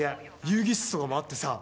遊戯室とかもあってさ。